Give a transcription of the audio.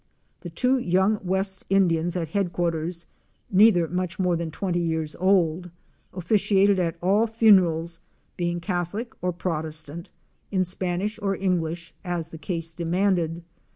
The two young West Indians at headquarters (neither much more than twenty years old) officiated at all funerals, being Catholic or Protes tant, in Spanish or English, as the case demanded.